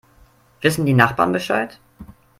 Wissen die Nachbarn Bescheid?